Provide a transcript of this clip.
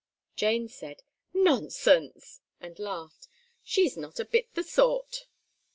Jane said, "Nonsense," and laughed. "She's not a bit the sort."